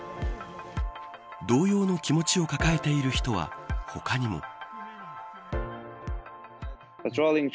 同様の気持ちを抱えている人は他にも。